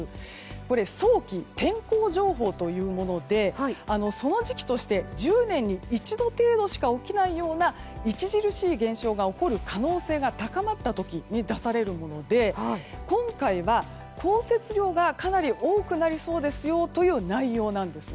こちら早期天候情報というものでその時期として１０年に一度程度しか起きないような著しい現象が起こる可能性が高まった時に出されるもので、今回は降雪量がかなり多くなりそうですよという内容なんですね。